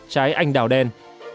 trái anh đào đen